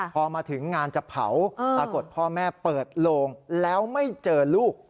พอมาถึงงานจะเผาปรากฏพ่อแม่เปิดโลงแล้วไม่เจอลูก